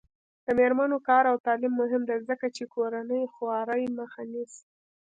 د میرمنو کار او تعلیم مهم دی ځکه چې کورنۍ خوارۍ مخه نیسي.